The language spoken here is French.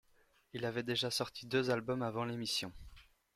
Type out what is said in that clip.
Il avait déjà sorti deux albums avant l'émission.